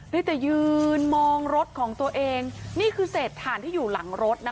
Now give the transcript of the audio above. ได้แต่ยืนมองรถของตัวเองนี่คือเศษฐานที่อยู่หลังรถนะคะ